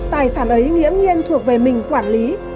tài sản ấy nghiễm nhiên thuộc về mình quản lý